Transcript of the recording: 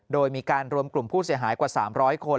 โดยมีการรวมกลุ่มผู้เสียหายกว่า๓๐๐คน